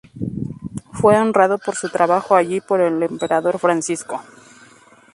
Fue honrado por su trabajo allí por el emperador Francisco.